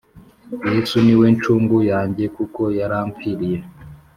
Yesu niwe nshungu yanjye kuko yaramfiriye